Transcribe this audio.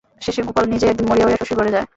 শেষে গোপাল নিজেই একদিন মরিয়া হইয়া শশীর ঘরে যায়।